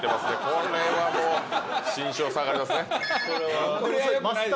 これはもう心証下がりますね